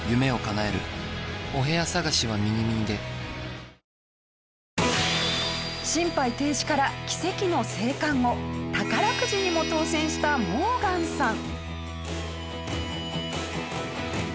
東京海上日動心肺停止から奇跡の生還後宝くじにも当せんしたモーガンさん。